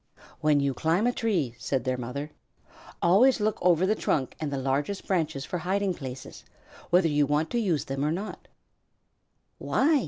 "When you climb a tree," said their mother, "always look over the trunk and the largest branches for hiding places, whether you want to use one then or not." "Why?"